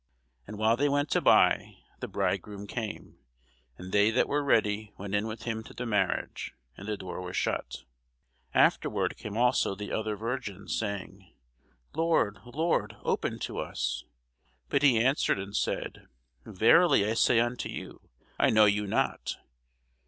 And while they went to buy, the bridegroom came; and they that were ready went in with him to the marriage: and the door was shut. Afterward came also the other virgins, saying, Lord, Lord, open to us. But he answered and said, Verily I say unto you, I know you not.